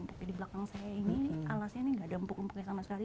tapi di belakang saya ini alasnya ini nggak ada empuk empuknya sama sekali